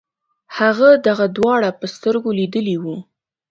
هغه دغه دواړه په سترګو لیدلي وو.